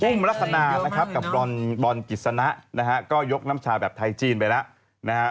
ลักษณะนะครับกับบอลกิจสนะนะฮะก็ยกน้ำชาแบบไทยจีนไปแล้วนะฮะ